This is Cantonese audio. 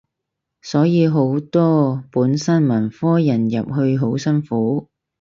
所以好多本身文科人入去好辛苦